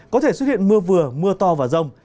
có thể xuất hiện mưa vừa mưa to và rông